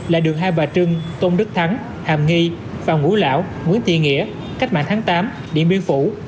là đường hai bà trưng tôn đức thắng hàm nghi phạm ngũ lão nguyễn tị nghĩa cách mạng tháng tám điện biên phủ